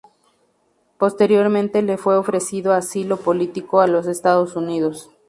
Posteriormente le fue ofrecido asilo político en los Estados Unidos.